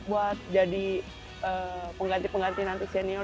buat jadi pengganti pengganti nanti senior